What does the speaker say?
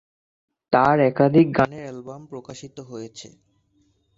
তার একাধিক গানের অ্যালবাম প্রকাশিত হয়েছে।